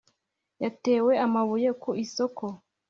yatewe amabuye ku isoko